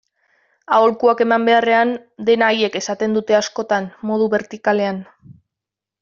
Aholkuak eman beharrean, dena haiek esaten dute askotan, modu bertikalean.